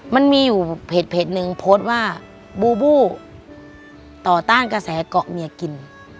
มันมีอยู่เพจหนึ่งโพสต์ว่าบูบูต่อต้านกระแสเกาะเมียกิน